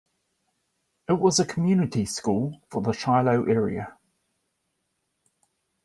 It was a community school for the Shiloh area.